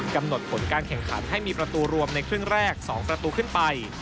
กำหนดผลการแข่งขันให้มีประตูรวมในครึ่งแรก๒ประตูขึ้นไป